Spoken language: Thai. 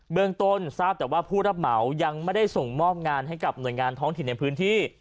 เมืองต้นทราบแต่ว่าผู้รับเหมายังไม่ได้ส่งมอบงานให้กับหน่วยงานท้องถิ่นในพื้นที่